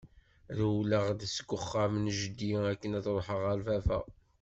Rewleɣ-d seg uxxam n jeddi akken ad ruḥeɣ ɣer baba.